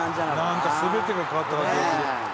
「なんか全てが変わった感じがする」